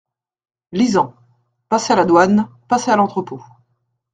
Lisant. "Passer à la douane, passer à l’entrepôt.